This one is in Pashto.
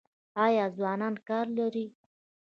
آیا ځوانان کار لري؟